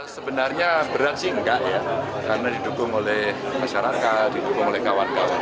sebenarnya berat sih enggak ya karena didukung oleh masyarakat didukung oleh kawan kawan